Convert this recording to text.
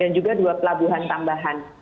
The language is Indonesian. dan juga dua pelabuhan tambahan